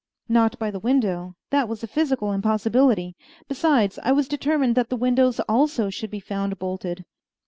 Not by the window; that was a physical impossibility. Besides, I was determined that the windows also should be found bolted.